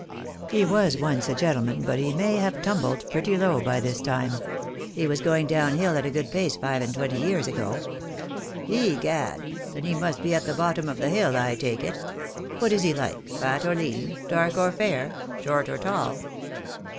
"He was once a gentleman, but he may have tumbled pretty low by this time. He was going down hill at a good pace five and twenty years ago." "Egad, then he must be at the bottom of the hill, I take it. What is he like — fat or lean, dark or fair, short or tall?"